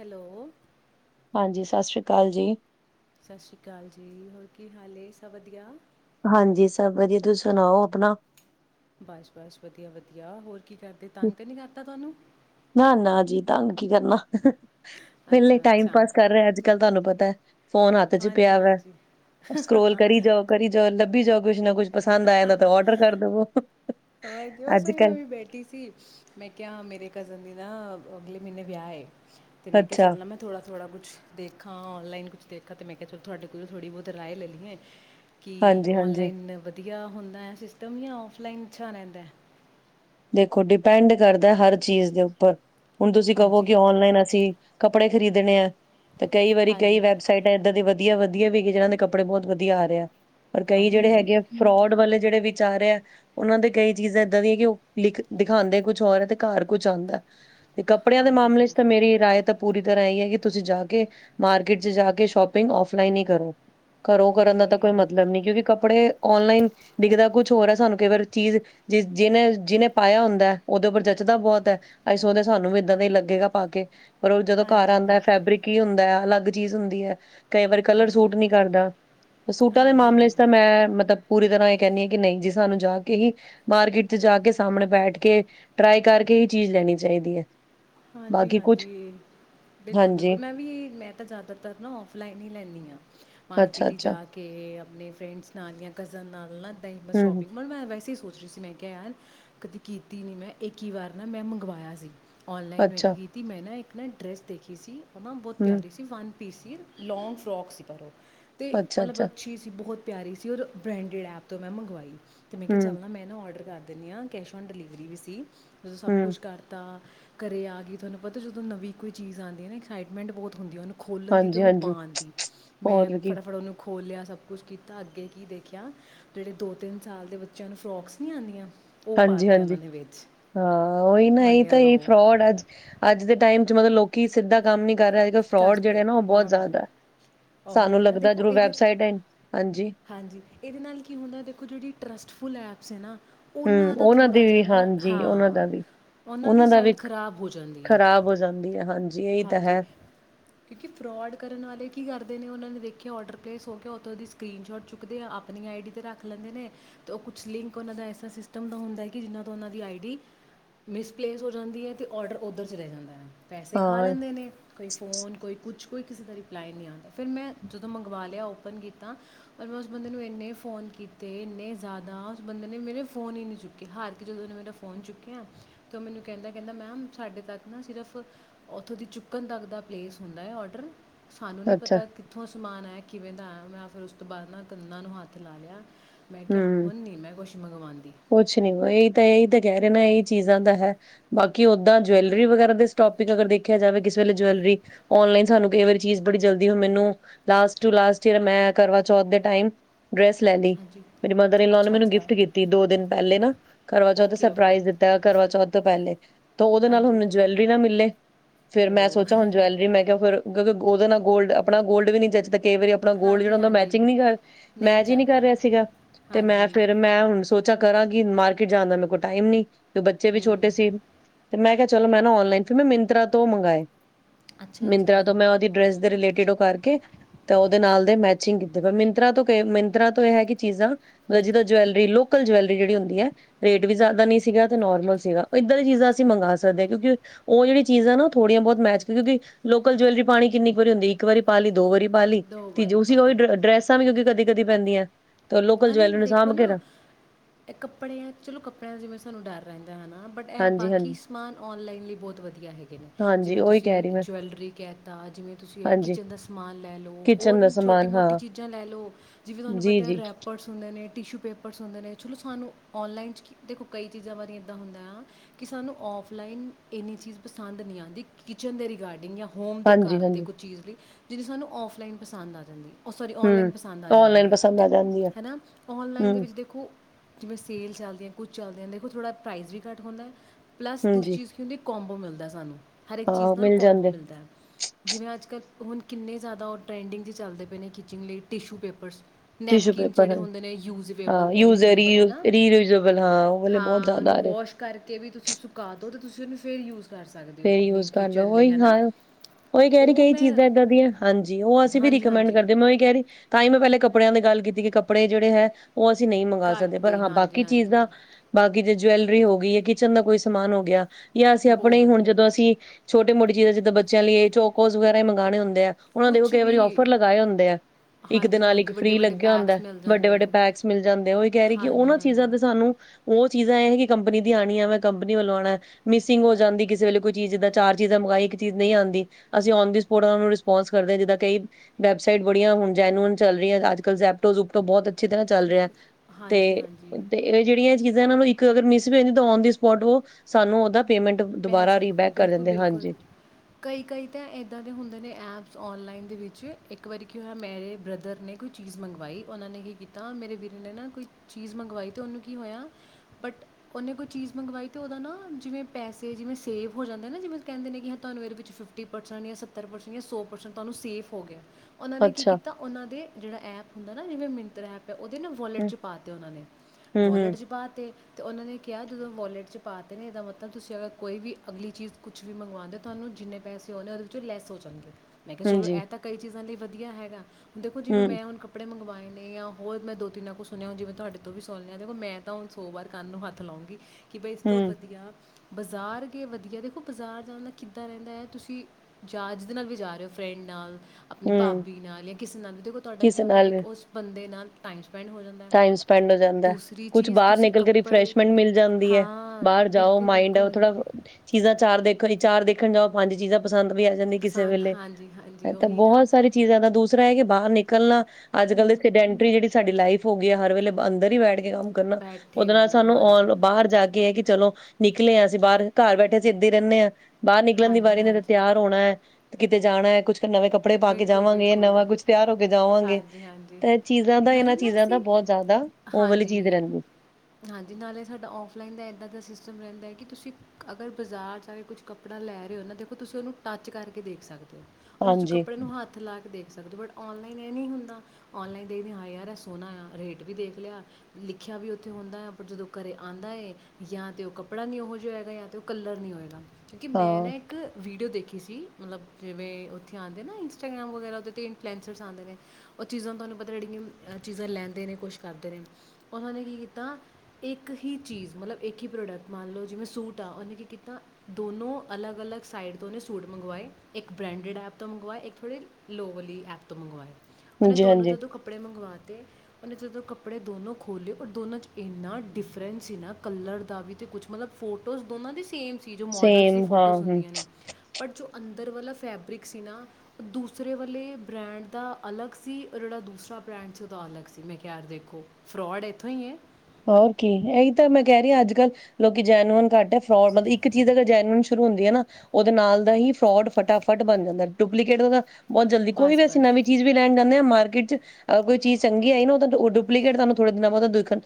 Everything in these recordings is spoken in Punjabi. ਹੈਲੋ। ਹਾਂਜੀ, ਸਤਿ ਸ੍ਰੀ ਅਕਾਲ ਜੀ। ਸਤਿ ਸ਼੍ਰੀ ਅਕਾਲ ਜੀ, ਹੋਰ ਕੀ ਹਾਲ ਸਭ ਵਧੀਆ? ਹਾਂਜੀ ਸਭ ਵਧੀਆ। ਤੁਸੀਂ ਸੁਣਾਓ ਆਪਣਾ? ਬਸ- ਬਸ, ਵਧੀਆ- ਵਧੀਆ, ਹੋਰ। ਕੀ ਕਰਦੇ, ਤੰਗ ਤੇ ਨੀ ਕਰਤਾ ਤੁਹਾਨੂੰ। ਨਾ-ਨਾ ਜੀ ਤੰਗ ਕੀ ਕਰਨਾ। ਪੇਲੇ ਅੱਛਾ ਟਾਈਮ ਅੱਛਾ ਪਾਸ ਕਰ ਰਿਹਾ, ਅੱਜ ਕੱਲ ਤੁਹਾਨੂੰ ਪਤਾ ਦਾ। ਫੋਨ ਹੱਥ 'ਚ ਹਾਂਜੀ ਪਿਆ ਵੈ, ਹਾਂਜੀ ਸਕਰੋਲ ਕਰੀ ਜਾਓ, ਕਰੀ ਜਾਓ, ਲੱਭੀ ਜਾਓ‌। ਕੁੱਛ ਨਾ ਕੁਛ। ਪਸੰਦ ਆਇ ਨਾ, ਤੇ ਔਡਰ ਕਰ ਦੇਵੋ। ਹਾਂਗੇ ਵ ਸਹੀ, ਮੈਂ ਅੱਜ-ਕੱਲ ਵੀ ਬੈਠੀ ਸੀ। ਮੈਂ ਕਿਹਾ ਮੇਰੇ ਕਜ਼ਨ ਦੀ, ਨਾ ਅਗਲੇ ਮਹੀਨੇ ਵਿਆਹ ਏ। ਤੇ ਮੈਂ ਕਿਹਾ, ਅੱਛਾ ਚੱਲਣਾ ਮੈਂ ਥੋੜ੍ਹਾ- ਥੋੜ੍ਹਾ ਕੁਛ ਦੇਖਾਂ, ਔਨਲਾਈਨ ਕੁਛ ਦੇਖ। ਾ ਮੈਂ ਕਿਹਾ ਚਲੋ ਮ, ਤੁਹਾਡੇ ਕੋਲ ਥੋੜੀ ਬਹੁਤ ਰਾਹਹੀਂ ਲੈ ਲਈ ਹੈ। ਕਿ ਹਾਂਜੀ-ਹਾਂਜੀ। ਔਨਲਾਈਨ ਵਧੀਆ ਹੁਣ ਦ ਸਿਸਟਮ ਹੀ ਆ ਔਫਲਾਈਨ ਅੱਛਾ ਲਹਿੰਦਾ ਦੇਖੋ ਡਿਪੈਂਡ ਕਰਦਾ ਹਰ ਚੀਜ਼ ਦੇ ਉੱਪਰ ਹੁਣ ਤੁਸੀਂ ਕਹੋ ਹਾਂਜੀ ਕਿ ਔਨਲਾਈਨ ਅਸੀਂ ਕੱਪੜੇ ਖਰੀਦਣੇ ਆ ਕੱਪੜੇ ਤੇ ਕਈ ਵਾਰੀ ਕਈ ਹਾਂਜੀ ਵੈੱਬਸਾਈਟਾਂ ਇੱਦਾਂ ਦੀ ਵਧੀਆ ਵਧੀਆ ਵੀ ਜਿਹਨਾਂ ਦੇ ਕੱਪੜੇ ਬਹੁਤ ਵਧੀਆ ਆ ਰਿ ਆ ਪਰ ਕਈ ਜਿਹੜੇ ਹਾਂਜੀ ਹੈਗੇ ਆ ਫਰੋਡ ਵਾਲੇ ਜਿਹੜੇ ਵਿਚਾਰ ਆ ਉਹਨਾਂ ਦੇ ਕਈ ਚੀਜ਼ਾਂ ਇਦਾਂ ਦੀਆਂ ਕਿ ਲਿਖ ਦਿਖਾਉਂਦੇ ਕੁਛ ਹੋਰ ਹੈ ਤੇ ਘਰ ਕੁਛ ਆਉਂਦਾ ਤੇ ਕੱਪੜਿਆਂ ਦੇ ਹਾਂਜੀ ਮਾਮਲੇ ਚ ਤਾਂ ਹਾਂਜੀ ਮੇਰੀ ਰਾਏ ਤਾਂ ਪੂਰੀ ਤਰ੍ਹਾਂ ਹੀ ਹੈ ਕਿ ਤੁਸੀਂ ਜਾ ਕੇ ਮਾਰਕੀਟ ਚ ਜਾ ਕੇ ਸ਼ੋਪਿੰਗ ਆਫਲਾਈਨ ਹੀ ਕਰੋ ਘਰੋਂ ਕਰਨ ਓਕੇ ਦਾ ਤਾਂ ਹਾਂਜੀ ਕੋਈ ਮਤਲਬ ਨਹੀਂ ਕਿਉਂਕਿ ਕੱਪੜੇ ਔਨਲਾਈਨ ਦਿੱਖਦਾ ਕੁਛ ਹੋਰ ਹੈ ਸਾਨੂੰ ਕਈ ਵਾਰ ਚੀਜ਼ ਜੇ ਜਿਹਨੇ ਜਿਹਨੇ ਪਾਇਆ ਹੁੰਦਾ ਉਹਦੇ ਉੱਪਰ ਜੱਚਦਾ ਬਹੁਤ ਹੈ ਅਸੀਂ ਸੋਦੇ ਸਾਨੂੰ ਵੀ ਇਦਾਂ ਦਾ ਹੀ ਲੱਗੇਗਾ ਪਾ ਕੇ ਪਰ ਉਹ ਜਦੋਂ ਘਰ ਆਉਂਦਾ ਹਾਂ- ਹੈ ਫੈਬਰਿਕ ਹੀ ਹੁੰਦਾ ਹੈ ਅਲੱਗ ਚੀਜ਼ ਹੁੰਦੀ ਹੈ ਕਈ ਵਾਰੀ ਕਲਰ ਹਾਂਜੀ ਸੂਟ ਨਹੀਂ ਕਰਦਾ ਸੂਟਾਂ ਦੇ ਹਾਂਜੀ ਮਾਮਲੇ ਚ ਤਾਂ ਮੈਂ ਮਤਲਬ ਪੂਰੀ ਤਰ੍ਹਾਂ ਹੀ ਕਹਿੰਦੀ ਹੈ ਕਿ ਨਹੀਂ ਜੇ ਸਾਨੂੰ ਜਾ ਕੇ ਹੀ ਮਾਰਕੀਟ ਚ ਜਾ ਕੇ ਸਾਹਮਣੇ ਬੈਠ ਕੇ ਟਰਾਈ ਕਰਕੇ ਹੀ ਚੀਜ਼ ਲੈਣੀ ਚਾਹੀਦੀ ਹੈ ਹਾਂਜੀ ਬਾਕੀ ਕੁਛ ਹਾਂਜੀ ਬਿਲਕੁਲ ਹਾਂਜੀ ਬਿਲਕੁਲ ਮੈਂ ਵੀ ਮੈਂ ਤਾਂ ਜ਼ਿਆਦਾਤਰ ਨਾ ਆਫਲਾਈਨ ਹੀ ਲੈਂਦੀ ਹਾਂ ਅੱਛਾ, ਮਾਰਕੀਟ ਹੀ ਅੱਛਾ ਜਾ ਕੇ ਆਪਣੇ ਫਰੈਂਡਸ ਨਾਲ ਜਾਂ ਕਜ਼ਨ ਨਾਲ ਹੂੰ, ਹੂੰ ਸ਼ੋਪਿੰਗ ਮੈਂ ਵੈਸੇ ਸ ਸੀ ਮੈਂ ਕਿਹਾ ਯਾਰ ਕਦੇ ਕੀਤੀ ਨੀ ਮੈਂ ਇੱਹ ਕਿਊ ਆਰ ਨਾ ਮੈਂ ਮੰਗਵਾਇਆ ਸੀ ਔਨਲਾਈਨ ਮੈਗੀ ਅੱਛਾ ਕੀਤੀ ਮੈਂ ਨਾ ਇੱਕ ਮੈਂ ਡਰੈਸ ਦੇਖੀ ਸੀ ਉਹ ਨਾ ਬਹੁਤ ਹੂੰ, ਪਿਆਰੀ ਸੀ ਫਨ ਪੀ ਸੀ ਲੌਂਗ ਫਰੋਕਸ ਕਰੋ ਲੌਂਗ ਅਤੇ ਅੱਛਾ, ਮਤਲਬ ਅੱਛਾ ਅੱਛੀ ਸੀ ਬਹੁਤ ਪਿਆਰੀ ਸੀ ਔਰ ਬਰੈਂਡਡ ਐਪ ਤੋਂ ਮੈਂ ਮੰਗਵਾਈ ਤੇ ਮੈਂ ਕਿਹਾ ਹੂੰ, ਚੱਲਣਾ ਮੈਂਨਾ ਔਡਰ ਕਰ ਦਿੰਦੇ ਹਾਂ ਕੈਸ਼ ਔਨ ਡਿਲਵਰੀ ਵੀ ਸੀ ਜਦੋਂ ਸਭ ਹੂੰ ਕੁਛ ਕਰਤਾ ਘਰੇ ਆ ਗਈ ਤੁਹਾਨੂੰ ਪਤਾ ਜਦੋਂ ਨਵੀਂ ਕੋਈ ਚੀਜ਼ ਆਉਂਦੀ ਹੈ ਨਾ ਐਕਸਾਈਟਮੈਂਟ ਬਹੁਤ ਹੁੰਦੀ ਹੈ ਉਨਾਂਨੂੰ ਖੋਲਣ ਦੀ ਅਤੇ ਹਾਂਜੀ, ਉਹਨੂੰ ਹਾਂਜੀ ਪਾਉਣ ਦੀ ਮੈਂ ਹੋਰ ਕੀ ਫਟਾਫਟ ਉਹਨੂੰ ਖੋਲ੍ਹਿਆ ਸਭ ਕੁਛ ਕੀਤਾ ਅੱਗੇ ਕੀ ਦੇਖਿਆ ਜਿਹੜੇ ਦੋ ਤਿੰਨ ਸਾਲ ਦੇ ਬੱਚਿਆਂ ਨੂੰ ਫਰੋਕਸ ਨਹੀਂ ਆਉਂਦੀਆਂ ਉਹ ਪਾਤੀਆਂ ਉਹਨਾਂ ਹਾਂਜੀ-ਹਾਂਜੀ ਨੇ ਵਿੱਚ ਹਾਂ ਉਹੀ ਨਾ ਮੈਂ ਇ ਕਿਹਾ ਤਾਂ ਲਓ ਫਰੋਡ ਅਜ ਅੱਜ ਦੇ ਟਾਈਮ ਚ ਮਤਲਬ ਲੋਕੀ ਸਿੱਧਾ ਕੰਮ ਨੀ ਕਰ ਰਹੇ ਅੱਜ ਕੱਲ੍ਹ ਫਰੋਡ ਕਰਤੇ ਜਿਹੜੇ ਨਾ ਉਹ ਬਹੁਤ ਨਾ-ਨਾ ਜ਼ਿਆਦਾ ਹੈ। ਸਾਨੂੰ ਉਹੀ ਨਾ ਲੱਗਦਾ ਦੇਖੋ ਜਦੋਂ ਇਹਦੇ, ਵੈਬਸਾਈਟ ਹੈ ਹਾਂਜੀ ਹਾਂਜੀ ਇਹਦੇ ਨਾਲ ਕੀ ਹੁੰਦਾ ਦੇਖੋ ਜਿਹੜੀ ਟਰਸਟਫੁਲ ਐਪ ਸ ਐ ਨਾ ਹੂੰ, ਦਾ ਉਹਨਾਂ ਦੀ ਥੋੜ੍ਹਾ ਜਿਹਾ ਵੀ ਨਾ ਹਾਂਜੀ ਉਹਨਾਂ ਹਾਂ ਦਾ ਵੀ ਦੀ ਉਹਨਾਂ ਦਾ ਵੀ ਸਾਈਡ ਖ ਖਰਾਬ ਹੋ ਜਾਂਦੀ ਆ ਖ਼ਰਾਬ ਹੋ ਜਾਂਦੀ ਹੈ ਹਾਂਜੀ ਇਹੀ ਤਾਂ ਹਾਂਜੀ ਹੈ ਕਿਉਂਕਿ ਫਰੋਡ ਕਰਨ ਵਾਲੇ ਕੀ ਕਰਦੇ ਨੇ ਉਹਨਾਂ ਨੇ ਦੇਖਿਆ ਔਡਰ ਪਲੇਸ ਹੋ ਕੇ ਉਥੋਂ ਉਹਦੀ ਸਕਰੀਨ ਸ਼ੋਟ ਚੁੱਕਦੇ ਆ ਆਪਣੀ ਆਈ ਡੀ 'ਤੇ ਰੱਖ ਲੈਂਦੇ ਨੇ ਅਤੇ ਉਹ ਕੁਛ ਲਿੰਕ ਉਹਨਾਂ ਦਾ ਐਸਾ ਸਿਸਟਮ ਦਾ ਹੁੰਦਾ ਕਿ ਜਿਨਾਂ ਤੋਂ ਉਹਨਾਂ ਦੀ ਆਈ ਡੀ ਮਿਸਪਲੇਸ ਹੋ ਜਾਂਦੀ ਹੈ ਅਤੇ ਔਡਰ ਉੱਧਰ 'ਚਲਿਆ ਜਾਂਦਾ ਹੈ। ਪੈਸੇ ਖਾ ਹਾਂ ਲੈਂਦੇ ਨੇ। ਫੋਨ ਕੋਈ ਕੁਛ ਕੋਈ ਕਿਸੇ ਦਾ ਰਿਪਲਾਈ ਨਹੀਂ ਆਉਂਦਾ ਫਿਰ ਮੈਂ ਜਦੋਂ ਮੰਗਵਾ ਲਿਆ ਓਪਨ ਕੀਤਾ ਪਰ ਮੈਂ ਉਸ ਬੰਦੇ ਨੂੰ ਇੰਨੇ ਫੋਨ ਕੀਤੇ ਇੰਨੇ ਜ਼ਿਆਦਾ ਉਸ ਬੰਦੇ ਨੇ ਮੇਰੇ ਫੋਨ ਹੀ ਨਹੀਂ ਚੁੱਕੇ ਹਾਰ ਕੇ ਜਦੋਂ ਉਹਨੇ ਮੇਰਾ ਫੋਨ ਚੁੱਕਿਆ ਤਾਂ ਉਹ ਮੈਨੂੰ ਕਹਿੰਦਾ ਕਹਿੰਦਾ ਮੈਮ ਸਾਡੇ ਤੱਕ ਨਾ ਸਿਰਫ ਉੱਥੋਂ ਦੀ ਚੁੱਕਣ ਤੱਕ ਦੀ ਦਾ ਪਲੇਸ ਹੁੰਦਾ ਹੈ ਔਡਰ ਸਾਨੂੰ ਨੀ ਅੱਛਾ ਪਤਾ ਕਿੱਥੋਂ ਸਮਾਨ ਆਇਆ ਕਿ ਕਿਵੇਂ ਦਾ ਆਇਆ ਮੈਂ ਫਿਰ ਉਸ ਤੋਂ ਬਾਅਦ ਨਾ ਕੰਨਾਂ ਨੂੰ ਹੱਥ ਲਾ ਲਿਆ ਕਿ ਹੂੰ, ਕੁਛ ਨੀ ਵ ਇਹੀ ਤਾਂ ਇਹੀ ਤਾਂ ਕਹਿ ਰਹੇ ਨਾ ਇ ਚੀਜ਼ਾਂ ਦਾ ਹੈ ਬਾਕੀ ਓਦਾਂ ਜਵੈਲਰੀ ਵਗਰਾ ਦੇੋ ਸਟੋਪੇਜ ਅਗਰ ਦੇਖਿਆ ਜਾਵੇ ਕਿਸ ਵੇਲੇ ਜਾਵੈਲਰੀ ਆਨਲਾਈਨ ਸਾਨੂੰ ਕਈ ਚੀਜ਼ ਬੜੀ ਜਲਦੀ ਹੋ ਮੈਂਨੂੰ ਲਾਸਟ ਟੂ ਲਾਸਟ ਮੈਂ ਕਰਵਾ ਚੌਥ ਦੇ ਟਾਈਮ ਡਰੈਸ ਲੈ ਲਈ। ਹਾਂਜੀ ਮੇਰੀ ਮਦਰ ਇਨ-ਲਾ ਨੇ ਅੱਛਾ ਮੈਨੂੰ ਅੱਛਾ ਗਿਫਟ ਕੀਤੀ ਦੋ ਦਿਨ ਪਹਿਲੇ ਨਾ ਕਰਵਾ ਚੌਥ ਓਕੇ ਓਕੇ ਸਰਪ੍ਰਜ਼ ਦਿੱਤਾ ਕਰਵਾ ਚੌਥ ਤੋਂ ਪਹਿਲੇ ਤੇ ਓਦੇ ਨਾਲ ਹਾਂਜੀ ਹ ਜਵੈਲਰੀ ਨਾ ਮਿਲੇ ਫਿਰ ਮੈਂ ਓਹੋ ਸੋਚਿਆ ਹਣ ਜਵੈਲਰੀ ਮੈਂ ਕਿਹਾ ਫਿਰ ਉਹਦੇ ਨਾਲ ਗੋਲਡ ਆਪਣਾ ਗੋਲਡ ਵੀ ਨਹੀਂ ਜੱਚਦਾ ਕਈ ਵਾਰੀ ਆਪਣਾ ਗੋਲਡ ਜਿਹੜਾ ਹਾਂਜੀ ਹੁੰਦਾ ਹਾਂਜੀ ਮੈਚਿੰਗ ਨੀ ਕਰ, ਮੈਚ ਹੀ ਨਹੀਂ ਕਰ ਰਿਹਾ ਸੀਗਾ। ਤੇ ਮੈਂ ਹਾਂਜੀ ਫੇਿਰ ਮੈਂ ਹੁਨ ਮ ਸੋਚਾ ਕਰਾਂ ਕਿ ਮਾਰਕੀਟ ਜਾਣ ਦਾ ਮੇਰੇ ਕੋਲ ਟਾਈਮ ਨਹੀਂ ਤੇ ਬੱਚੇ ਵੀ ਛੋਟੇ ਹੂੰ ਸੀ ਤੇ ਮੈਂ ਕਿਹਾ ਚਲੋ ਮੈਂ ਨਾ ਔਨਲਾਈਨ ਫਿਰ ਮੈਂ ਮਿੰਤਰਾ ਤੋਂ ਮੰਗਵਾਏ। ਅੱਛਾ ਮਿੰਦਰਾ ਅੱਛਾ ਤੋਂ ਮੈਂ ਉਹਦੀ ਡਰੈਸ ਦੇ ਰਿਲੇਟਿਡ ਉਹ ਕਰ ਤਾਂ ਉਹਦੇ ਨਾਲ ਦੇ ਮੈਚਿੰਗ, ਮਿਨਤਰਾ ਤੋਂ ਮਿਨਤਰਾ ਤੋਂ ਇਹ ਹੈ ਕਿ ਚੀਜਾਂ ਜਿੱਦਾਂ ਜੁਵੈਲਰੀ ਲੋਕਲ ਜੁਵੈਲਰੀ ਜਿਹੜੀ ਹੁੰਦੀ ਹੈ ਰੇਟ ਵੀ ਜ਼ਿਆਦਾ ਨੀ ਸੀਗਾ ਤੇ ਨੋਰਮਲ ਸੀਗਾ। ਇੱਧਾਂ ਦੀਆ ਚੀਜ਼ਾਂ ਅਸੀਂ ਮੰਗਵਾ ਸਕਦੇ ਹਾਂ। ਕਿਉਂਕਿ ਉਹ ਜਿਹੜੀ ਚੀਜ਼ਾਂ ਨਾ ਥੋੜੀਆਂ ਬਹੁਤੀਆ ਮੈਚ ਕਿਉਂਕਿ ਲੋਕਲ ਜੁਵੈਲਰੀ ਪਾਨੀ ਕਿੰਨੀ ਕੁ ਵਾਰੀ ਹੁੰਦੀ ਆ। ਇੱਕ ਵਾਰੀ ਪਾ ਲਈ ਦੋ ਵਾਰੀ ਪਾਲੀ ਦੋ ਤੇ ਵਾਰੀ ਜੂ ਪਾ ਸੀ ਦਿਓ ਡਰੈਸਾਂ ਵੀ ਤੁਸੀਂ ਕਦੀ ਕਦੀ ਪੈਂਦੀਆਂ। ਤੁ ਨਾਲੇ ਦੇਖੋ ਨਾ ਇਹ ਕੱਪੜੇ ਆ ਚਲੋ ਕੱਪੜਿਆਂ ਦਾ ਜਿਵੇਂ ਸਾਨੂੰ ਡਰ ਰਹਿੰਦਾ ਹਨਾ। ਬਟ ਇਹ ਹਾਂਜੀ ਬਾਕੀ ਹਾਂਜੀ ਸਮਾਨ ਔਨਲਾਈਨ ਲਈ ਬਹੁਤ ਵਧੀਆ ਹੈਗੇ ਨੇ ਹਾਂਜੀ ਜਿਵੇਂ ਉਹੀ ਕਹਿ ਤੁਸੀਂ ਰਹੀ ਮੈਂ ਜਵੈਲਰੀ ਕਹਿ ਤਾ ਜਿਵੇਂ ਤੁਸੀਂ ਇਹ ਹਾਂਜੀ ਕਿਚਨ ਦਾ ਸਮਾਨ ਲੈ ਲਓ ਕਿਚਨ ਹੋਰ ਦਾ ਛੋਟੀ ਸਮਾਨ ਹਾਂ ਮੋਟੀ ਚੀਜ਼ਾਂ ਲੈ ਲਓ ਜਿਵੇਂ ਤੁਹਾਨੂੰ ਜੀ ਪਤਾ ਹੈ ਜੀ ਰੈਪ ਪਰਸ ਹੁੰਦੇ ਨੇ ਟਿਸ਼ੂ ਪੇਪਰਸ ਹੁੰਦੇ ਨੇ ਚਲੋ ਸਾਨੂੰ ਔਨਲਾਈਨ 'ਚ ਕੀ ਦੇਖੋ ਕਈ ਚੀਜ਼ਾਂ ਬਾਰੇ ਇੱਦਾਂ ਹੁੰਦਾ ਆ ਕਿ ਸਾਨੂੰ ਔਫਲਾਈਨ ਇੰਨੀ ਚੀਜ਼ ਪਸੰਦ ਨਹੀਂ ਆਉਂਦੀ ਕਿਚਨ ਦੇ ਰਿਗਾਰਡਿੰਗ ਜਾਂ ਹੋਮ ਦੇ ਹਾਂਜੀ ਘਰ ਤੇ ਹਾਂਜੀ ਕੁਝ ਚੀਜ਼ ਲਈ ਜਿਹਨੀ ਸਾਨੂੰ ਔਫਲਾਈਨ ਪਸੰਦ ਆ ਜਾਂਦੀ ਆ। ਉਹ ਸੋਰੀ ਔਨਲਾਈਨ ਹੂੰ, ਪਸੰਦ ਆ ਜਾਂਦੀ ਔਨਲਾਈਨ ਹੈ ਪਸੰਦ ਆ ਅਤੇ ਜਾਂਦੀ ਆ। ਹੈ ਨਾ ਔਨਲਾਈਨ ਦੇ ਹੂੰ, ਵਿੱਚ ਦੇਖੋ ਜਿਵੇਂ ਸੇਲ ਚੱਲਦੀ ਹੈ ਕੁਛ ਚੱਲਦੇ ਹਨ ਦੇਖੋ ਥੋੜ੍ਹਾ ਪ੍ਰਾਈਜ਼ ਵੀ ਘਟ ਹੁੰਦਾ ਪਲੱਸ ਦੂਜੀ ਹਾਂਜੀ ਚੀਜ਼ ਕੀ ਹੁੰਦੀ ਕੋ ਉਹ ਮਿਲਦਾ ਸਾਨੂੰ ਹਰ ਇੱਕ ਚੀਜ਼ ਹਾਂ ਨਾਲ ਮਿਲ ਕੌਬੋ ਜਾਂਦੇ ਮਿਲਦਾ ਹੈ ਜਿਵੇਂ ਅੱਜ ਕੱਲ੍ਹ ਹੁਣ ਕਿੰਨੇ ਜ਼ਿਆਦਾ ਉਹ ਟਰੈਂਡਿੰਗ ' ਚੱਲਦੇ ਪਏ ਨੇ ਕਿਚਿੰਗ ਲਈ tissue papers tissue napkin paper ਜਿਹੜੇ ਹਨ। ਹੁੰਦੇ ਨੇ ਯੂਜਵੇਬਲ ਹਾਂ ਯੂਜ ਯੂਜੇਬਲ ਹੈ ਰੀਯੂਜ ਨਾ ਰੀਯੂਜੇਬਲ ਹਾਂ ਉਹ ਵਾਲੇ ਬਹੁਤ ਹਾਂ ਜ਼ਿਆਦਾ ਉਹਨੂੰ ਆ ਰਹੇ। ਵੋਸ਼ ਕਰਕੇ ਵੀ ਤੁਸੀਂ ਸੁਕਾ ਦੋ ਤੂੰਸੀਂ ਉਸਨੂੰ ਫਿਰ ਯੂਸ ਫੇਰ ਯੂਜ ਕਰਲੋ ਉਹੀ ਹਾਂ ਉਹੀ ਕਹਿ ਰਹੀ ਉਹ ਕਈ ਮੈਂ ਚੀਜ਼ਾਂ ਇਦਾ ਦੀਆ ਹਾਂਜੀ ਉਹ ਅਸੀਂ ਹਾਂਜੀ ਰਿਕਮੈਂਡ ਹਾਂਜੀ ਕਰਦੇ ਮੈਂ ਉਹੀ ਕਹਿ ਰਹੀ ਤਾਂ ਮੈਂ ਪਹਿੱ ਕੱਪੜਿਆਂ ਦੀ ਗੱਲ ਕੀਤੀ ਕਿ ਕੱਪੜੇ ਜਿਹੜੇ ਹੈ ਉਹ ਅਸੀਂ ਨਹੀਂ ਮੰਗਵਾ ਸਕਦੇ ਘੱਟ ਪਰ ਹੀ ਹਾਂ ਹਾਂਜੀ ਬਾਕੀ ਚੀਜ਼ ਹਾਂਜੀ ਦਾ ਬਾਕੀ ਜ ਜਵੈਲਰੀ ਹੋ ਗਈ ਹੈ, ਕਿਚਨ ਦਾ ਕੋਈ ਸਮਾਨ ਹੋ ਗਿਆ। ਜਾਂ ਅਸੀਂ ਆਪਣੇ ਬਹੁਤ ਹੀ ਹੁਣ ਵਧੀਆ ਜਦੋਂ ਅਸੀਂ ਛੋਟੇ, ਛੋਟੀ ਮੋਟੀ ਚੀਜਾ ਜਿਦਾਂ ਬੱਚਿਆਂ ਲਈ ਚੋਕੋ ਵਗੈਰਾ ਮੰਗਾਣੇ ਹੁੰਦੇ ਆ। ਉਹਨਾਂ ਦੇ ਉਹ ਕੁਝ ਕਈ ਵਾਰੀ ਵੀ ਆਫਰ ਲਗਾਏ ਹੁੰਦੇ ਆ ਇੱਕ ਦੇ ਹਾਂਜੀ ਨਾਲ ਇੱਕ ਹਾਂਜੀ ਵੱਡੇ ਫ੍ਰੀ ਵੱਡੇ ਲੱਗਿਆ ਪੈਕਸ ਹੁੰਦਾ ਮਿਲ ਜਾਂਦੇ ਵੱਡੇ-ਵੱਡੇ ਨੇ ਪੈਕਸ ਮਿਲ ਜਾਂਦੇ ਆ ਉਹੀ ਕਹਿ ਰਹੀ ਕਿ ਹਾਂਜੀ ਉਹਨਾਂ ਚੀਜ਼ਾਂ ਹਾਂਜੀ ਦੇ ਸਾਨੂੰ ਉਹ ਚੀਜ਼ਾਂ ਇਹ ਕਿ ਕੰਪਨੀ ਦੀ ਆਣੀ ਆ ਮੈਂ ਕੰਪਨੀ ਵੱਲੋਂ ਆਉਣਾ ਮਿਸਿੰਗ ਹੋ ਜਾਂਦੀ ਕਿਸੇ ਵੇਲੇ ਕੋਈ ਚੀਜ਼ ਜਿੱਦਾਂ ਚਾਰ ਚੀਜ਼ਾਂ ਮੰਗਾਈ ਇੱਕ ਚੀਜ਼ ਨਹੀਂ ਆਦੀ ਅਸੀਂ ਔਨ ਦੀ ਸਪੋਟ ਨੂੰ ਰਿਸਪੋਂਸ ਕਰਦੇ ਹਾਂ ਜਿੱਦਾਂ ਕਈ ਵੈਬਸਾਈਟ ਬੜੀਆਂ ਹੁਣ ਜੈਨਿਉਨ ਚੱਲ ਰਹੀਆਂ ਅੱਜ ਕਲ ਜੇਪੋਟੋ ਜੁਪਟੋ ਬਹੁਤ ਅੱਛੀ ਤਰ੍ਹਾਂ ਚੱਲ ਰਿਹਾ ਤੇ ਹਾਂਜੀ ਹਾਂਜੀ ਤੇ ਇਹ ਜਿਹੜੀਆਂ ਚੀਜ਼ਾਂ ਇਹਨਾਂ ਨੂੰ ਅਗਰ ਮਿਸ ਵੀ ਹੁੰਦਾ ਔਨ ਦੀ ਸਪੋਟ ਉਹ ਸਾਨੂੰ ਉਹਦਾ ਪੇਮੈਂਟ ਦੁਬਾਰਾ ਰਿ ਬਿਲਕੁਲ-ਬਿਲਕੁਲ ਕਈ ਕਈ ਤਾਂ ਇੱਦਾਂ ਦੇ ਹੁੰਦੇ ਨੇ ਐਪਸ ਔਨਲਾਈਨ ਦੇ ਵਿੱਚ ਇੱਕ ਵਾਰੀ ਕੀ ਹੋਇਆ ਮੇਰੇ ਬ੍ਰਦਰ ਨੇ ਕੋਈ ਚੀਜ਼ ਮੰਗਵਾਈ ਉਹਨਾਂ ਨੇ ਕੀ ਕੀਤਾ ਮੇਰੇ ਵੀਰ ਨੇ ਨਾ ਕੋਈ ਚੀਜ਼ ਮੰਗਵਾਈ ਅਤੇ ਉਹਨੂੰ ਕੀ ਹੋਇਆ ਬਟ ਉਹਨੇ ਕੋਈ ਚੀਜ਼ ਮੰਗਵਾਈ ਤਾਂ ਉਹਦਾ ਨਾ ਜਿਵੇਂ ਪੈਸੇ ਜਿਵੇਂ ਸੇਫ ਹੋ ਜਾਂਦੇ ਨਾ ਜਿਵੇਂ ਕਹਿੰਦੇ ਨੇ ਕਿ ਤੁਹਾਨੂੰ ਇਹਦੇ ਵਿੱਚ ਫਿਫਟੀ ਪਰਸੈਂਟ ਜਾਂ ਸੱਤਰ ਪਰਸੈਂਟ ਜਾਂ ਸੌ ਪ੍ਰਸੈਂਟ ਤੁਹਾਨੂੰ ਸੇਫ ਹੋ ਗਿਆ। ਉਹਨਾਂ ਨੇ ਕੀ ਅੱਛਾ ਕੀਤਾ ਉਹਨਾਂ ਦੇ ਜਿਹੜਾ ਐਪ ਹੁੰਦਾ ਨਾ ਜਿਵੇਂ ਮਿੰਟ ਐਪ ਉਹਦੇ ਨਾ ਹੂੰ, ਵੋਲਟ ਪਾਤੇ ਉਹਨਾਂ ਨੇ ਹੂੰ, ਵੋਲਟ ਹੂੰ ਚ ਪਾ ਤੇ ਅਤੇ ਉਹਨਾਂ ਨੇ ਕਿਹਾ ਜਦੋਂ ਵੋਲੇਟ 'ਚ ਪਾਤੇ ਨੇ ਇਹਦਾ ਮਤਲਬ ਤਾਂ ਤੁਸੀਂ ਅਗਰ ਕੋਈ ਵੀ ਅਗਲੀ ਚੀਜ਼ ਕੁਛ ਵੀ ਮੰਗਵਾਦੇ ਹੋ ਤੁਹਾਨੂੰ ਜਿੰਨੇ ਪੈਸੇ ਆਉਂਦੇ ਉਹਦੇ ਵਿੱਚੋਂ ਲੈਸ ਹੋ ਜਾਣਗੇ। ਮੈਂ ਕਿਹਾ ਹੂੰ ਚਲੋ ਜੀ ਐ ਤਾਂ ਕਈ ਚੀਜ਼, ਲਈ ਵਧੀਆ ਹੈਗਾ। ਦੇਖੋ ਜਿਵੇਂ ਹੂੰ, ਮੈਂ ਹੁਣ ਕੱਪੜੇ ਮੰਗਵਾਏ ਨੇ ਜਾਂ ਹੋਰ ਮੈਂ ਦੋ-ਤਿੰਨਾਂ ਕੋਲੋਂ ਸੁਣਿਆ ਹੁਣ ਜਿਵੇਂ ਤੁਹਾਡੇ ਤੋਂ ਵੀ ਸੁਣ ਲਿਆ ਦੇਖੋ ਮੈਂ ਤਾਂ ਹੁਣ ਸੌ ਵਾਰ ਕੰਨ ਨੂੰ ਹੱਥ ਲਾਉਂਗੀ ਕਿ ਬਈ ਇਸ ਤੋਂ ਹੂੰ, ਵਧੀਆ ਬਾਜ਼ਾਰ ਗਏ ਵਧੀਆ ਦੇਖੋ ਬਜ਼ਾਰ ਜਾਣ ਦਾ ਕਿੱਦਾਂ ਰਹਿੰਦਾ ਹੈ ਤੁਸੀਂ, ਜਾ ਜਿਹਦੇ ਨਾਲ ਵੀ ਜਾ ਰਹੇ ਹੋ ਫਰੈਂਡ ਨਾਲ ਆਪਣੀ ਹੂੰ ਭਾਬੀ ਨਾਲ ਜਾਂ ਕਿਸੇ ਨਾਲ ਵੀ ਦੇਖੋ ਤੁਹਾਡਾ ਕੀ ਕਿਸੇ ਹੁੰਦਾ ਨਾਲ ਵੀ ਇੱਕ ਉਸ ਬੰਦੇ ਨਾਲ ਟਾਈਮ ਸਪੈਂਡ ਹੋ ਜਾਂਦਾ ਹੈ ਟਾਈਮ ਸਪੈਂਡ ਹੋ ਜਾਂਦਾ, ਦੂਸਰੀ ਕੁਛ ਚੀਜ਼ ਬਾਹਰ ਤੁਸੀਂ ਨਿਕਲ ਕੇ ਕੱਪੜੇ ਰਿਫਰੈਸ਼ਮੈਂਟ ਮਿਲ ਜਾਂਦੀ ਹੈ ਹਾਂ ਬਾਹਰ ਜਾਓ ਬਿਲਕੁਲ ਮਾਈੰਡ ਬਿਲਕੁਲ ਥੋੜਾ, ਚੀਜ਼ਾਂ ਚਾਰ ਦੇਖੋ ਚਾਰ ਦੇਖਣ ਜਾਓ ਪੰਜ ਚੀਜ਼ਾਂ ਪਸੰਦ ਵੀ ਆ ਜਾਂਦੀ ਕਿਸੇ ਪਸੰਦ ਵੇਲੇ, ਹਾਂਜੀ ਹਾਂਜੀ ਤਾਂ ਉਹੀ ਨਾ ਬਹੁਤ ਸਾਰੀ ਚੀਜ਼ਾਂ ਦਾ ਦੂਸਰਾ ਹੈ ਕਿ ਬਾਹਰ ਨਿਕਲ ਨਿਕਲਣਾ ਅੱਜਕੱਲ ਦੇ ਖਡੈਨਟਰੀ ਜਿਹੜੀ ਸਾਡੀ ਲਾਈਫ ਹੋ ਗਿਆ ਹਰ ਵੇਲੇ ਅੰਦਰ ਹੀ ਬੈਠ ਕੇ ਕੰਮ ਕਰਨਾ ਬੈਠੇ ਉਹਦੇ ਨਾਲ ਰਹਿਣਾ ਸਾਨੂੰ ਹਾਂਜੀ ਬਾਹਰ ਜਾ ਕੇ ਹੈ ਕੀ ਚਲੋ ਨਿਕਲੇ ਹਾਂ ਅਸੀਂ ਬਾਹਰ ਘਰ ਬੈਠੇ ਇਦਾਂ ਹੀ ਰਹਿੰਨੇ ਆ। ਬਾਹਰ ਨਿਕਲਣ ਦੀ ਹਾਂਜੀ ਵਾਰੀ ਨੇ ਤਾਂ ਹਾਂਜੀ ਤਿਆਰ ਹੋਣਾ ਹੈ। ਕਿਤੇ ਜਾਣਾ ਹੈ ਕੁਛ ਨਵੇਂ ਕੱਪੜੇ ਪਾ ਕੇ ਬਿਲਕੁਲ ਜਾਵਾਂਗੇ ਨਵਾਂ ਬਿਲਕੁਲ ਕੁੱਝ ਤਿਆਰ ਹੋ ਕੇ ਜਾਵਾਂਗੇ। ਹਾਂਜੀ ਹਾਂਜੀ ਤਾਂ ਇਹ ਚੀਜ਼ਾਂ ਦਾ ਨਾਲੇ ਇਹਨਾਂ ਨਾ ਚੀਜ਼ਾਂ ਦਾ ਅਸੀਂ, ਬਹੁਤ ਜ਼ਿਆਦਾ ਉਹ ਵਾਲੀ ਚੀਜ਼ ਹਾਂਜੀ, ਰਹਿੰਦੀ ਹਾਂਜੀ ਨਾਲੇ ਸਾਡਾ ਔਫਲਾਈਨ ਦਾ ਏਦਾਂ ਦਾ ਸਿਸਟਮ ਰਹਿੰਦਾ ਕਿ ਤੁਸੀਂ ਅਗਰ ਬਾਜ਼ਾਰ 'ਚ ਆ ਕੇ ਕੁਛ ਕੱਪੜਾ ਲੈ ਰਹੇ ਹੋ ਨਾ ਦੇਖੋ ਤੁਸੀਂ ਉਹਨੂੰ ਟੱਚ ਕਰਕੇ ਦੇਖ ਸਕਦੇ ਹੋ। ਉਹਨੂੰ ਤੁਸੀਂ ਹਾਂਜੀ ਕੱਪੜੇ ਨੂੰ ਹੱਥ ਲਾ ਕੇ ਦੇਖ ਸਕਦੇ ਹੋ ਬਟ ਔਨਲਾਈਨ ਇਹ ਨਹੀਂ ਹੁੰਦਾ ਔਨਲਾਈਨ ਦੇਖਦੇ ਹਾਂ ਯਾਰ ਇਹ ਸੋਹਣਾ ਆ, ਰੇਟ ਵੀ ਦੇਖ ਲਿਆ, ਲਿਖਿਆ ਵੀ ਉੱਥੇ ਹੁੰਦਾ ਆ ਪਰ ਜਦੋਂ ਘਰ ਆਉਂਦਾ ਏ ਜਾਂ ਤਾਂ ਉਹ ਕੱਪੜਾ ਨਹੀਂ ਉਹੋ ਜਿਹਾ ਹੋਏਗਾ ਜਾਂ ਤਾਂ ਉਹ ਕਲਰ ਨਹੀਂ ਹੋਏਗਾ। ਕਿਉਂਕਿ ਹਾਂ ਮੈਂ ਨਾ ਇੱਕ ਵੀਡੀਓ ਦੇਖੀ ਸੀ ਮਤਲਬ ਜਿਵੇਂ ਉੱਥੇ ਆਉਂਦੇ ਨਾ ਇੰਸਟਾਗ੍ਰਾਮ ਵਗੈਰਾ ਉਹਦੇ 'ਤੇ ਇਨਫਲੂਐਂਸਰਸ ਆਉਂਦੇ ਨੇ ਉਹ ਚੀਜ਼ਾਂ ਤੁਹਾਨੂੰ ਪਤਾ ਜਿਹੜੀਆਂ ਚੀਜ਼ਾਂ ਲੈਂਦੇ ਨੇ ਕੁਛ ਕਰਦੇ ਨੇ, ਉਹਨਾਂ ਨੇ ਕੀ ਕੀਤਾ, ਇੱਕ ਹੀ ਚੀਜ਼ ਮਤਲਬ ਇੱਕ ਹੀ ਪ੍ਰੋਡਕਟ ਮੰਨ ਲਓ ਜਿਵੇਂ ਸੂਟ ਆ ਉਹਨੇ ਕੀ ਕੀਤਾ ਦੋਨੋਂ ਅਲੱਗ-ਅਲੱਗ ਸਾਈਡ ਤੋਂ ਉਹਨੇ ਸੂਟ ਮੰਗਵਾਏ, ਇੱਕ ਬ੍ਰੈਂਡਡ ਐਪ ਤੋਂ ਮੰਗਵਾਏ ਇੱਕ ਥੋੜ੍ਹੇ ਲੋਵਲੀ ਐਪ ਤੋਂ ਮੰਗਵਾਏ। ਉਹਨੇ ਹਾਂਜੀ ਦੋਨੋ ਹਾਂਜੀ ਜਦੋਂ ਕੱਪੜੇ ਮੰਗਵਾ ਤੇ ਉਹਨੇ ਜਦੋਂ ਕੱਪੜੇ ਦੋਨੋ ਖੋਲ੍ਹੇ ਔਰ ਦੋਨਾਂ ਚ ਇੰਨਾ ਡਿਫਰੈਂਸ ਸੀ ਨਾ ਕਲਰ ਦਾ ਵੀ ਤੇ ਕੁਛ ਮਤਲਬ ਫੋਟੋਜ਼ ਦੋਨਾਂ ਦੀ ਸੇਮ ਸੀ ਕਿ ਜੋ ਮੋਡਲਸ ਦੀ ਸੇਮ ਹਾਂ ਫੋਟੋਜ਼ ਹਮ ਹੁੰਦੀਆਂ ਨੇ, ਪਰ ਜੋ ਅੰਦਰ ਮੇਰਾ ਮਤਲਬ ਫੈਬਰਿਕ ਸੀ ਨਾ ਦੂਸਰੇ ਵਾਲੇ ਬ੍ਰੈਂਡ ਦਾ ਅਲੱਗ ਸੀ, ਜਿਹੜਾ ਦੂਸਰਾ ਬ੍ਰੈਂਡ ਸੀ ਉਹਦਾ ਅਲੱਗ ਸੀ ਮੈਂ ਕਿਹਾ ਐ ਦੇਖੋ, ਫਰੋਡ ਇੱਥੋਂ ਹੀ ਹੈ। ਹੋਰ ਕੀ ਇਹੀ ਤਾਂ ਮੈਂ ਕਹਿ ਰਹੀ ਹਾਂ ਅੱਜਕੱਲ੍ਹ ਲੋਕੀ ਜੈਨੂਅਨ ਘੱਟ ਆ ਫਰੋਡ ਮਤਲਬ ਇੱਕ ਚੀਜ਼ ਅਗਰ ਜੈਨੂਅਨ ਸ਼ੁਰੂ ਹੁੰਦੀ ਆ ਨਾ, ਉਹਦੇ ਨਾਲ ਦਾ ਹੀ ਫਰੋਡ ਫਟਾਫਟ ਬਣ ਜਾਂਦਾ ਡੁਪਲੀਕੇਟ ਦਾ ਤਾਂ ਬਹੁਤ ਜਲਦੀ ਕੋਈ ਬਸ ਵੀ ਅਸੀਂ ਬਸ ਨਵੀ ਚੀਜ਼ ਵੀ ਲੈਣ ਜਾ ਜਾਂਨੇ ਆ ਮਾਰਕੀਟ ਚ, ਅਗਰ ਕੋਈ ਚੀਜ਼ ਚੰਗੀ ਆਈ ਨਾ ਉਹ ਤਾਂ ਉਹ ਡੁਪਲੀਕੇਟ ਤੁਹਾਨੂੰ ਥੋੜੇ ਦਿਨਾਂ ਬਾਅਦ ਉਹ ਦੇਖਣ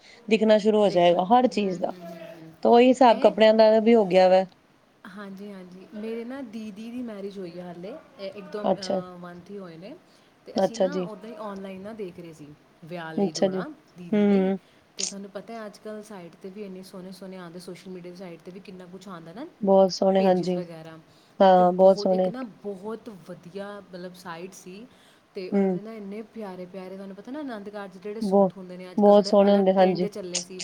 ਦੇਖ ਹੂੰ ਹੂੰ ਹੂੰ ਹੂੰ ਤਾਂ ਉਹੀ ਹਿਸਾਬ ਇਹ, ਕੱਪੜਿਆਂ ਦਾ ਵੀ ਹੋ ਗਿਆ ਵਾ ਹਾਂਜੀ-ਹਾਂਜੀ ਮੇਰੇ ਨਾ ਦੀਦੀ ਦੀ ਮੈਰਿਜ ਹੋਈ। ਵੀ ਹਾਲੇ ਇੱਕ ਦੋ ਅੱਛਾ ਮੰਥ ਹੀ ਹੋਏ ਨੇ ਤੇ ਅਸੀਂ ਅੱਛਾ ਨਾ ਜੀ ਉੱਧਰ ਹੀ ਔਨਲਾਈਨ ਨਾ ਦੇਖ ਰਹੇ ਸੀ ਵਿਆਹ ਲਈ ਅੱਛਾ ਜੀ ਜੋੜਾ ਦੀਦੀ ਲਈ ਹੂੰ ਤੇ ਸਾਨੂੰ ਤੇ ਅੱਜ ਕੱਲ ਸਾਈਟ ਤੇ ਵੀ ਇੰਨੇ ਸੋਹਣੇ, ਸੋਹਣੇ ਆਂਦੇ ਸੋਸ਼ਲ ਮੀਡੀਆ ਸਾਈਟ ਤੇ ਵੀ ਕਿੰਨਾ ਕੁਛ ਆਦਾ ਨਾ ਬਹੁਤ ਸੋਹਣੇ ਪੇਜਿਸ ਹਾਂਜੀ ਵਗੈਰਾ ਤੇ ਹਾਂ ਬਹੁਤ ਇੱਕ ਸੋਹਣੇ ਨਾ ਬਹੁਤ ਵਧੀਆ ਮਤਲਬ ਸਾਈਟਸ ਕਿ ਤੇ ਉਹਨਾਂ ਹੂੰ ਨੇ ਨਾ ਇੰਨੇ ਪਿਆਰੇ, ਪਿਆਰੇ ਤੁਹਾਨੂੰ ਪਤਾ ਨਾ ਆਨੰਦ ਜਿਹੜੇ ਬਹੁਤ ਸੂਟ ਹੁੰਦੇ ਨੇ ਅਜ ਕੱਲ ਬਹੁਤ ਥੋੜੇ ਸੋਹਣੇ ਅਲੱਗ ਹੁੰਦੇ ਟਰੈਂਡ ਦੇ ਹਾਂਜੀ ਹੇਗਾ ਸੀ,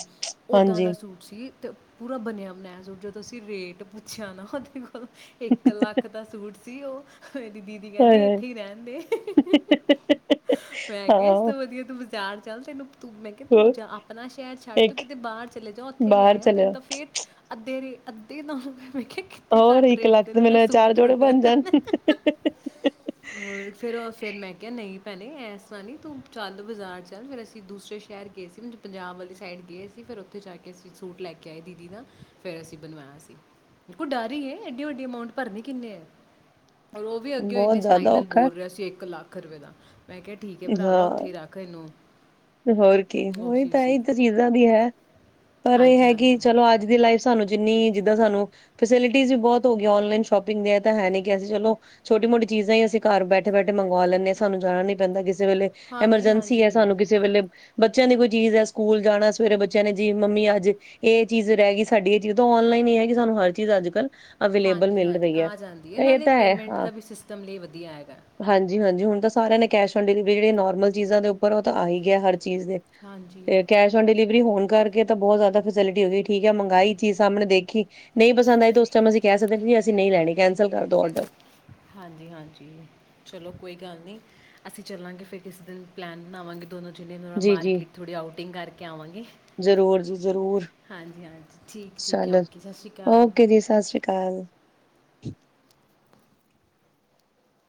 ਓਦਾਂ ਦਾ ਹਾਂਜੀ ਸੂਟ ਸੀ ਤੇ ਪੂਰਾ ਬਣਿਆ ਬਣਾਇਆ ਜਦੋ ਅਸੀਂ ਰੇਟ ਪੁੱਛਿਆ ਨਾ ਉਹਦੇ ਕੋਲੋ ਇੱਕ ਲੱਖ ਦਾ ਸੂਟ ਸੀ ਉਹ ਮੇਰੀ ਦੀਦੀ ਹਾਏ ਕਹਿੰਦੀ ਹਾਏ ਇੱਥੇ ਹੀ ਰਹਿਣ ਦੇ। ਮੈਂ ਕਿਹਾ ਇਸ ਹਾਂ, ਤੋਂ ਵਧੀਆ ਤੂੰ ਬਾਜ਼ਾਰ ਚਲ ਤੇਨੂੰ ਤੂੰ ਮੈਂ ਕਿਹਾ ਤੂੰ ਹੋਰ ਜਾ ਆਪ ਆਪਣਾ ਸ਼ਹਿਰ ਛੱਡ ਤ ਇੱਕ ਕਿਤੇ ਬਾਹਰ ਚਲੇ ਜਾਓ ਉੱਥੇ ਲੈ ਬਾਹਰ ਆ ਤੈਨੂੰ ਚਲਿਆ ਤਾਂ ਫੇਰ ਅਧਾ ਤੇਰੇ ਅੱਧੇ ਤਾਂ ਮੈਂ ਕਿਹਆ ਕਿੱਥੇ ਹੋਰ ਘੱਟ ਰੇਟ ਲੱਖ ਤੇ ਦੇਨਾ ਮੈਨੂੰ ਚਾਰ ਸੂਟ ਜੋੜੇ ਹੋਰ ਬਣ ਜਾਣ। ਫਿਰ ਉਹ ਫਿਰ ਮੈਂ ਕਿਹਾ ਨਹੀਂ। ਭੈਣੇ ਐਸ ਤਰ੍ਹਾਂ ਨੀ ਤੂੰ ਚੱਲ ਬਾਜ਼ਾਰ ਚੱਲ ਫੇਰ ਅਸੀ ਦੂਸਰੇ ਸ਼ਹਿਰ ਗਏ ਸੀ। ਪੰਜਾਬ ਵਾਲੀ ਸਾਈਡ ਗਏ ਸੀ ਫਿਰ ਉੱਥੇ ਜਾ ਕੇ ਅਸੀ ਸੂਟ ਲੈ ਕੇ ਆਏ ਦੀਦੀ ਦਾ ਫਿਰ ਅਸੀ ਬਣਵਾਇਆ ਸੀ ਦੇਖੋ ਡਰ ਹੀ ਹੈ ਐਡੀ ਵੱਡੀ ਅਮਾਊਂਟ ਭਰਨੇ ਕਿੰਨੇ ਹੈ। ਔਰ ਉਹ ਵੀ ਅੱਗੇਓ ਬਹੁਤ ਇਨੇ ਜ਼ਿਆਦਾ ਸਟਾਈਲ ਨਾਲ ਔਖਾ ਹੈ, ਬੋਲ ਰਿਹਾ ਸੀ ਇੱਕ ਲੱਖ। ਰੁਪਏ ਦਾ। ਮੈਂ ਕਿਹਾ ਠੀਕ ਹੈ ਭਰਾਵਾ ਉੱਥੇ ਹਾਂ। ਹੀ ਰੱਖ ਇਹਨੂੰ। ਹੋਰ ਕੀ ਉਹੀ ਤਾਂ ਇਹ ਸੀ ਤਾਂ ਚੀਜ਼ਾਂ ਦੀ ਹੈ ਪਰ ਇਹ ਹਾਂਜੀ ਹੈ ਕਿ ਹਾਂਜੀ ਚਲੋ ਅੱਜ ਦੀ ਲਾਈਫ ਸਾਨੂੰ ਜਿੰਨੀ ਜਿੱਦਾਂ ਸਾਨੂੰ ਫੈਸਿਲਿਟੀਜ਼ ਵੀ ਬਹੁਤ ਹੋ ਗਿਆਂ ਔਨਲਾਈਨ ਸ਼ੋਪਿੰਗ ਦੀ ਏ ਤਾਂ ਹੈ ਨੀ ਕਿ ਅਸੀ ਚਲੋ ਛੋਟੀ ਮੋਟੀ ਚੀਜ਼ਾਂ ਹੀ ਅਸੀ ਘਰ ਬੈਠੇ ਬੈਠੇ ਮੰਗਵਾ ਲੈਨੇ ਹਾਂ ਸਾਨੂੰ ਜਾਣਾ ਨੀ ਪੈਂਦਾ ਕਿਸ ਕਿਸੇ ਵੇਲੇ ਹਾਂਜੀ ਐਮਰਜੈਂਸੀ ਹੈ ਹਾਂਜੀ ਸਾਨੂੰ ਕਿਸੇ ਵੇਲੇ ਬੱਚਿਆਂ ਦੀ ਕੋਈ ਚੀਜ਼ ਹੈ ਸਕੂਲ ਜਾਣਾ ਸਵੇਰੇ ਬੱਚਿਆਂ ਨੇ ਜੀ ਮੰਮੀ ਅੱਜ ਇਹ ਚੀਜ਼ ਰਹਿ ਗਈ ਸਾਡੀ ਇਹ ਚੀਜ਼ ਤਾਂ ਔਨਲਾਈਨ ਹੀ ਹੈਗੀ ਸਾਨੂੰ ਹਰ ਚੀਜ਼ ਅੱਜ ਕੱਲ੍ਹ ਹਾਂਜੀ ਹਾਂਜੀ ਆ ਜਾਂਦੀ ਇਹ ਨਾਲੇ ਤਾਂ ਹੈ ਪੇਮੈਂਟ ਹਾਂ ਦਾ ਸਿਸਟਮ ਲਈ ਵਧੀਆ ਹੈਗਾ। ਹਾਂਜੀ ਹਾਂਜੀ ਹੁਣ ਤਾਂ ਸਾਰਿਆਂ ਨੇ ਕੈਸ਼ ਆਨ ਡਿਲੀਵਰੀ ਜਿਹੜੇ ਨੋਮਲ ਚੀਜ਼ਾਂ ਦੇ ਉਪਰ ਉਹ ਤਾਂ ਆ ਹੈ ਗਿਆ ਹਰ ਚੀਜ਼ ਦੇ ਹਾਂਜੀ ਤੇ ਕੈਸ਼ ਔਨ ਡਿਲੀਵਰੀ ਹੋਣ ਕਰਕੇ ਤਾਂ ਬਹੁਤ ਜ਼ਿਆਦਾ ਫੈਸਿਲਿਟੀ ਹੋ ਗਈ ਠੀਕ ਹੈ ਮੰਗਾਈ ਚੀਜ਼ ਸਾਹਮਣੇ ਦੇਖੀ ਨਹੀਂ ਪਸੰਦ ਆਈ ਤੇ ਉਸ ਟਾਈਮ ਅਸੀਂ ਕਹਿ ਸਕਦੇ ਵੀ ਅਸੀਂ ਨਹੀਂ ਲੈਣੀ ਕੈਂਸਲ ਕਰ ਦੋ ਔਡਰ ਹਾਂਜੀ ਹਾਂਜੀ ਚਲੋ ਕੋਈ ਗੱਲ ਨਹੀ। ਅਸੀਂ ਚੱਲਾਂਗੇ ਫਿਰ ਕਿਸੀ ਦਿਨ ਪਲੈਨ ਬਣਾਵਾਂਗੇ। ਦੋਨੋ ਜਿਨੇ ਜੀ ਜੀ ਮਾਰਕੀਟ ਥੋੜੀ ਆਉਟਿੰਗ ਕਰਕੇ ਆਵਾਂਗੇ ਜ਼ਰੂਰ ਜੀ ਜ਼ਰੂਰ ਹਾਂਜੀ ਹਾਂਜੀ ਠੀਕ ਠੀਕ ਚਲੋ ਓਕੇ ਸਤਿ ਸ਼੍ਰੀ ਅਕਾਲ। ਓਕੇ ਜੀ ਸਤਿ ਸ਼੍ਰੀ ਅਕਾਲ [unintelligible]